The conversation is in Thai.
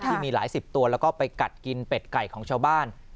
ที่มีหลายสิบตัวแล้วก็ไปกัดกินเป็ดไก่ของชาวบ้าน